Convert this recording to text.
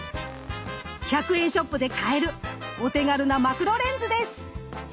１００円ショップで買えるお手軽なマクロレンズです。